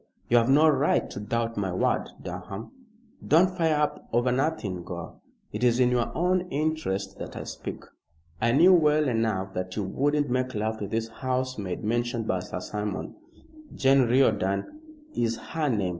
"You have no right to doubt my word, Durham." "Don't fire up over nothing, Gore. It is in your own interest that I speak. I knew well enough that you wouldn't make love to this housemaid mentioned by Sir Simon Jane Riordan is her name.